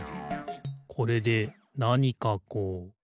これでなにかこう？